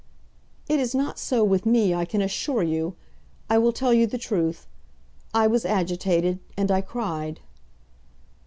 "It is not so with me, I can assure you. I will tell you the truth. I was agitated, and I cried."